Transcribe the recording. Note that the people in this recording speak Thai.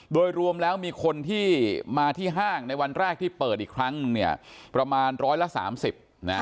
โดยรวมแล้วมีคนที่มาที่ห้างในวันแรกที่เปิดอีกครั้งประมาณร้อยละสามสิบ